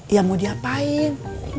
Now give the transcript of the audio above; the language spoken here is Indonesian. ya mau diapain